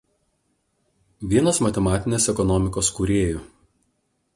Vienas matematinės ekonomikos kūrėjų.